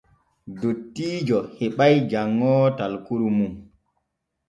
Dottiijo heɓay janŋoowo talkuru mum.